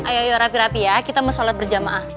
ayo ayo rapi rapi ya kita mau sholat berjamaah